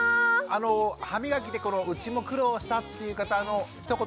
歯みがきでうちも苦労したっていう方ひと言